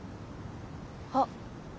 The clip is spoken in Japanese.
あっ。